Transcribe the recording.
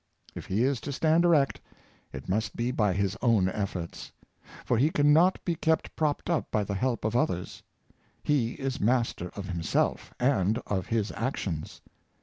If he is to stand erect, it must be by his own efforts; for he can not be kept propped up by the help of others. He is master of himself and of his actions.